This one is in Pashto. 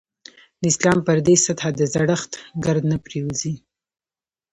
د اسلام پر دې سطح د زړښت ګرد نه پرېوځي.